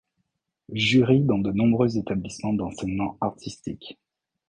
Jury dans de nombreux établissements d'enseignement artistique.